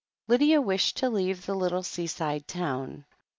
Lydia wished to leave the little seaside town.